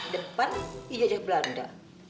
depan ijajah belanda